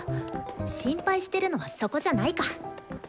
心配してるのはそこじゃないか。